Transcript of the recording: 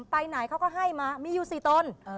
ใครเขาก็ให้มีอยู่๔ตน